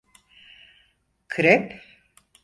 Krep?